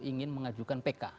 ingin mengajukan pk